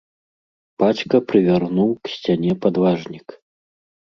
Бацька прывярнуў к сцяне падважнік.